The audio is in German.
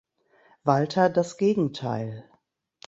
Walter das Gegenteil.